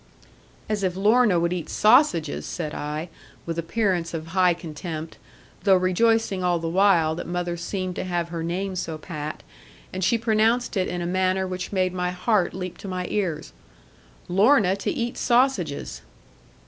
'As if Lorna would eat sausages!' said I, with appearance of high contempt, though rejoicing all the while that mother seemed to have her name so pat; and she pronounced it in a manner which made my heart leap to my ears: 'Lorna to eat sausages!'